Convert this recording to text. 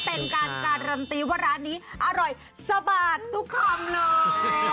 เป็นการการันตีว่าร้านนี้อร่อยสะบาดทุกคำเลย